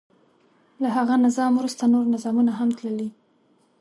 له هغه نظام وروسته نور نظامونه هم تللي.